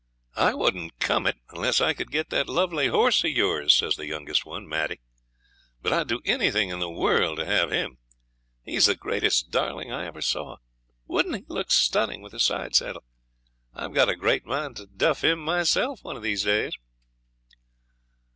'I wouldn't "come it", unless I could get that lovely horse of yours,' says the youngest one, Maddie; 'but I'd do anything in the world to have him. He's the greatest darling I ever saw. Wouldn't he look stunning with a side saddle? I've a great mind to "duff" him myself one of these days.'